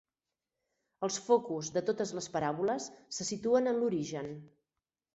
Els focus de totes les paràboles se situen en l'origen.